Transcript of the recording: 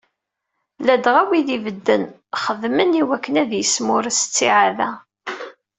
"Ladɣa, wid ibedden, xeddmen i wakken ad yesmurres ttiεad-a."